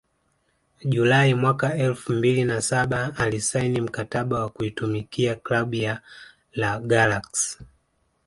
Julai mwaka elfu mbili na saba alisaini mkataba wa kuitumikia klabu ya La Galaxy